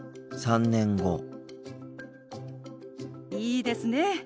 いいですね。